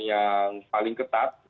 yang paling ketat